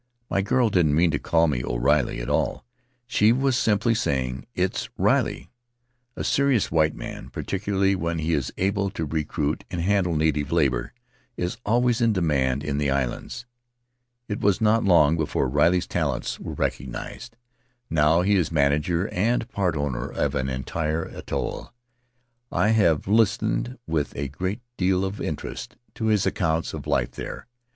My girl didn't mean to call me O'Riley at all; she was simply saying, 'It's Riley/ A serious white man, particularly when he is able to recruit and handle native labor, is always in demand in the islands; it was not long before Riley's talents [«] A Memory of Mauke were recognized; now he is manager and part owner of an entire atoll. I have listened with a great deal of interest to his accounts of the life there.